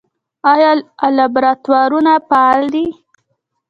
آیا لابراتوارونه فعال دي؟